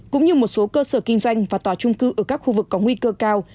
cũng như một số cơ sở kinh doanh và tòa trung cư ở các khu vực có nguy cơ cao